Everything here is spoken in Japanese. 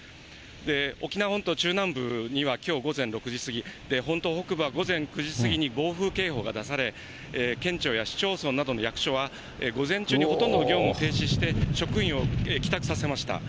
沖縄本島中南部にはきょう午前６時過ぎ、本島北部は午前９時過ぎに暴風警報が出され、県庁や市町村などの役所は、午前中にほとんどの業務を停止して、職員を帰宅させました。